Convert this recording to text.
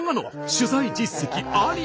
取材実績あり。